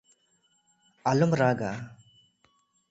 ᱟᱞᱚᱢ ᱨᱟᱜᱽ ᱟ ᱾